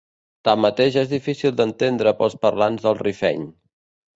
Tanmateix és difícil d'entendre pels parlants del rifeny.